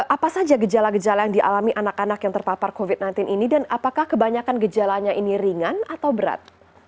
apa saja gejala gejala yang dialami anak anak yang terpapar covid sembilan belas ini dan apakah kebanyakan gejalanya ini ringan atau berat